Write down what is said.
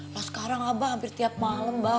lalu sekarang abah hampir tiap malam mbah